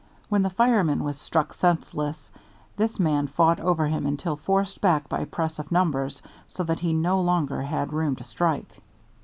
When the fireman was struck senseless, this man fought over him until forced back by press of numbers, so that he no longer had room to strike.